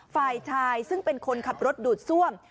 ฝ่ายชายซึ่งเป็นคนขับรถดูดซ่วม